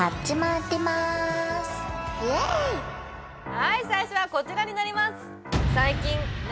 はい最初はこちらになります